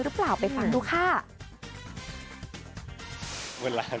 มีงานนี้ทำเอานุนิวอดปลื้มใจไม่ได้จริง